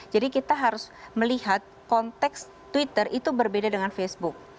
jadi kita harus melihat konteks twitter itu berbeda dengan facebook